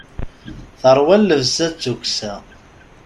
Terwa llebsa d tukksa.